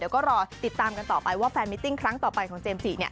เดี๋ยวก็รอติดตามกันต่อไปว่าแฟนมิตติ้งครั้งต่อไปของเจมส์จิ